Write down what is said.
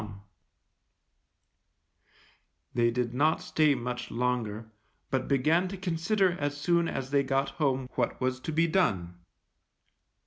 _ They did not stay much longer, but began to consider as soon as they got home what was to be done.